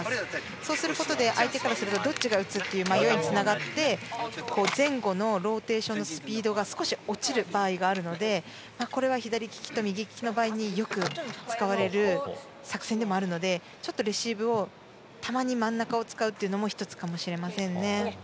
そうすることで相手からするとどっちから打つかという迷いにつながって前後のローテーションのスピードが少し落ちる場合があるのでこれは左利きと右利きの場合によく使われる作戦でもあるのでちょっとレシーブをたまに真ん中を使うのも１つかもしれませんね。